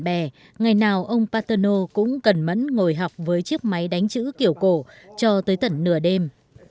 với những bạn bè ngày nào ông paterno cũng cần mẫn ngồi học với chiếc máy đánh chữ kiểu cổ cho tới tận nửa đêm